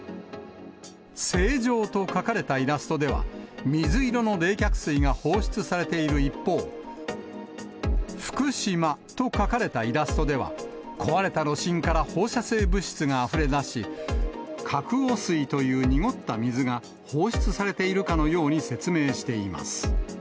正常と書かれたイラストでは、水色の冷却水が放出されている一方、福島と書かれたイラストでは、壊れた炉心から放射性物質があふれ出し、核汚水という濁った水が放出されているかのように説明しています。